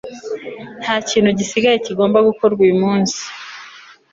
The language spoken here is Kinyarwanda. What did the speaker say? nta kintu gisigaye kigomba gukorwa uyu munsi